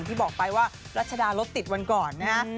ที่บอกไปว่ารัชดารถติดวันก่อนนะฮะ